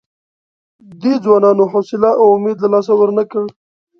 دې ځوانانو حوصله او امید له لاسه ورنه کړ.